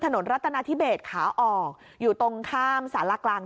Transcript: ถนนรัตนาทิเบศขาออกอยู่ตรงข้ามสาลากลาง